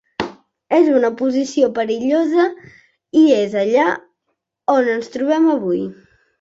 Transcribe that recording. És una posició perillosa i és allà on ens trobem avui.